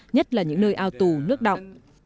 nhất là những nơi ao tù nước đọc